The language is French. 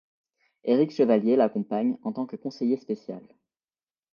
Éric Chevallier l’accompagne en tant que conseiller spécial.